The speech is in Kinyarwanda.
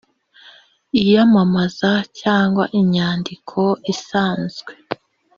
iyamamaza cyangwa inyandiko isanzwe